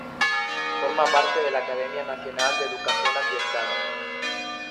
Forma parte de la Academia Nacional de Educación Ambiental.